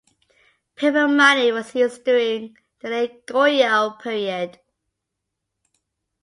Paper money was used during the late Goryeo period.